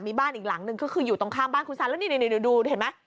มีบ้านอีกหลังนึงก็คืออยู่ตรงข้ามบ้านคุณซันแล้วนี่ดูเห็นไหม